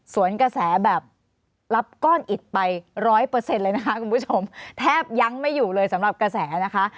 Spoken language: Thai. กระแสแบบรับก้อนอิดไปร้อยเปอร์เซ็นต์เลยนะคะคุณผู้ชมแทบยังไม่อยู่เลยสำหรับกระแสนะคะ